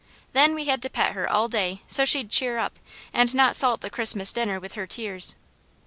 Then we had to pet her all day, so she'd cheer up, and not salt the Christmas dinner with her tears.